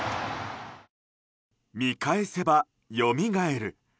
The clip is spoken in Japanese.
見返せばよみがえる